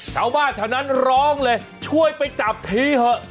ชาวบ้านแถวนั้นร้องเลยช่วยไปจับทีเถอะ